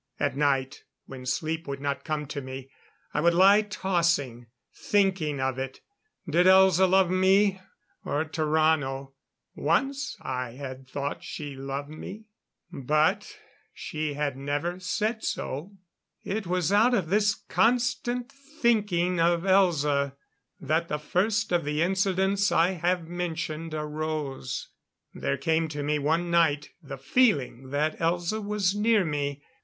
At night, when sleep would not come to me, I would lie tossing, thinking of it. Did Elza love me or Tarrano? Once I had thought she loved me. But she had never said so. It was out of this constant thinking of Elza that the first of the incidents I have mentioned, arose. There came to me one night the feeling that Elza was near me.